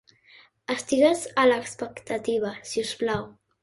Estigues a l'expectativa, si us plau.